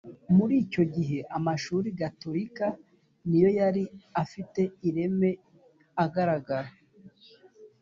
muri icyo gihe amashuri gatolika ni yo yari afite ireme, agaragara.